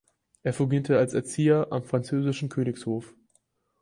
Er fungierte als Erzieher am französischen Königshof.